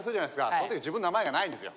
そん時自分の名前がないんですよ。